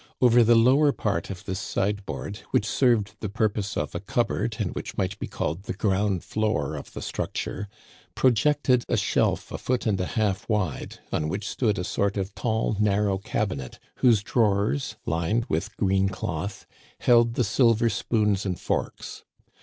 Over the lower part of this sideboard, which served the purpose of a cupboard and which might be called the ground floor of the structure, pro jected a shelf a foot and a half wide, on which stood a sort of tall narrow cabinet, whose drawers, lined with green cloth, held the silver spoons and forks.